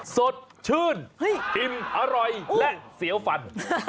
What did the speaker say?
สดชื่นอิ่มอร่อยและเสียวฟัน